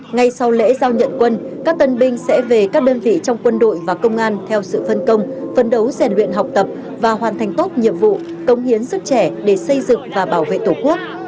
ngay sau lễ giao nhận quân các tân binh sẽ về các đơn vị trong quân đội và công an theo sự phân công phấn đấu rèn luyện học tập và hoàn thành tốt nhiệm vụ công hiến sức trẻ để xây dựng và bảo vệ tổ quốc